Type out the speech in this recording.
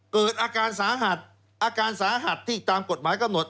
เกิดอาการสาหัสอาการสาหัสที่ตามกฎหมายกำหนด